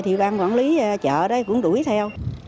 thì bang quản lý chợ đấy cũng đuổi theo